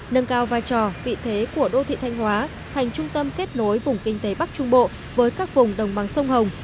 nâng cao vai trò vị thế của đô thị thanh hóa thành trung tâm kết nối vùng kinh tế bắc trung bộ với các vùng đồng bằng sông hồng